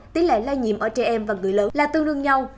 tỷ lệ lây nhiễm ở trẻ em và người lớn là tương đương nhau